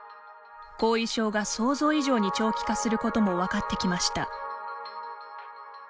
後遺症が想像以上に長期化することも分かってきました。